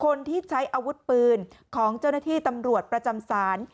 คนที่ใช้อาวุธปืนของเจ้าหน้าที่ตำรวจประจำศาล